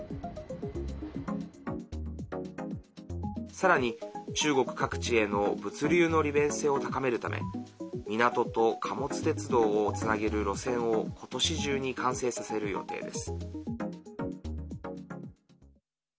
さらに中国各地への物流の利便性を高めるため港と貨物鉄道をつなげる路線を今年中に完成させる予定です。